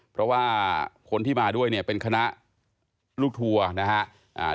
เพราะว่าคนที่มาด้วยเนี่ยเป็นคณะลูกทัวร์นะครับ